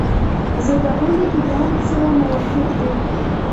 زردالو له طبیعت سره موافق دی.